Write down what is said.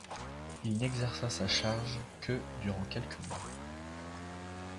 Il n’exerça sa charge que durant quelques mois.